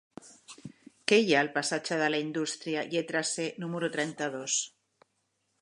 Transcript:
Què hi ha al passatge de la Indústria lletra C número trenta-dos?